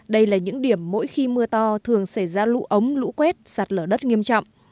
đây là những điểm mỗi khi mưa to thường xảy ra lũ ống lũ quét sạt lở đất nghiêm trọng